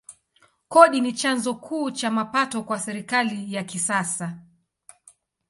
Kodi ni chanzo kuu cha mapato kwa serikali ya kisasa.